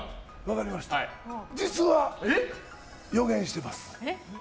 実は、予言してます。